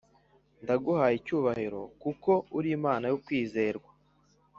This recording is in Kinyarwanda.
ndaguhaye icyubahiro kuko uri Imana yo kwizerwa